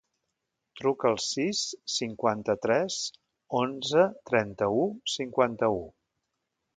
Truca al sis, cinquanta-tres, onze, trenta-u, cinquanta-u.